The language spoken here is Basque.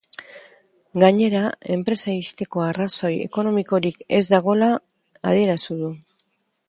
Gainera, enpresa ixteko arrazoi ekonomikorik ez dagoela adierazi du.